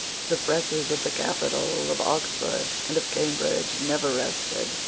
The presses of the capital, of Oxford, and of Cambridge, never rested.